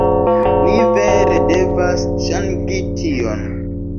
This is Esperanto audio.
Ni vere devas ŝangi tion